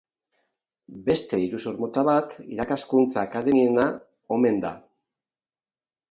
Beste iruzur mota bat irakaskuntza akademiena omen da.